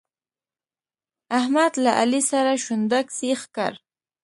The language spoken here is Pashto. احمد له علي سره شونډک سيخ کړ.